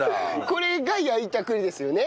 これが焼いた栗ですよね？